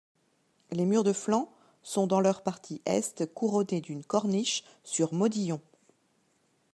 Les murs de flanc sont, dans leur partie Est, couronnés d'une corniche sur modillons.